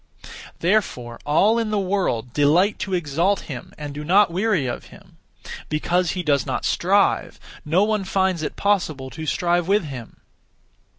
Therefore all in the world delight to exalt him and do not weary of him. Because he does not strive, no one finds it possible to strive with him.